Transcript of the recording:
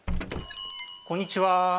こんにちは。